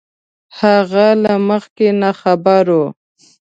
هغه له مخکې نه خبر وو